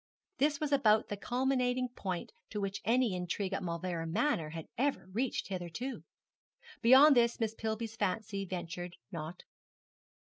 This was about the culminating point to which any intrigue at Mauleverer had ever reached hitherto. Beyond this Miss Pillby's fancy ventured not.